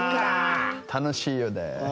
楽しいよね。